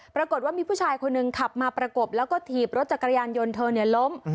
ปรากฏว่ามีผู้ชายคนหนึ่งขับมาประกบแล้วก็ถีบรถจักรยานยนต์เธอล้ม